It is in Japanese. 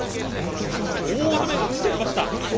大雨が降ってきました。